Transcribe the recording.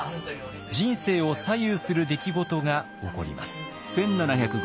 人生を左右する出来事が起こります。